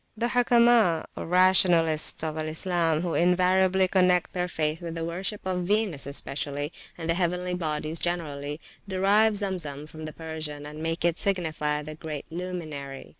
The Hukama, or Rationalists of Al Islam, who invariably connect their faith with the worship of Venus, especially, and the heavenly bodies generally, derive Zemzem from the Persian, and make it signify the great luminary.